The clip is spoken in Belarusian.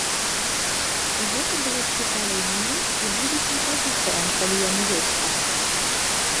Гэта было б цікава і мне, і будучым прадзюсарам, калі яны ёсць там.